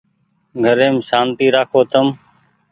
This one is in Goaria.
گھريم سآنتي رآکو تم ۔